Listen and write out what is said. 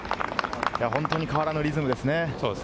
本当に変わらぬリズムですね。